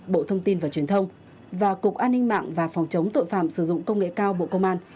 bộ thông tin và truyền thông và cục an ninh mạng và phòng chống tội phạm sử dụng công nghệ cao bộ công an